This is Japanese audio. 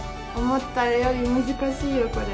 思ったより難しいよ、これ。